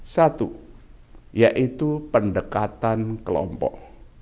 satu yaitu pendekatan kelompok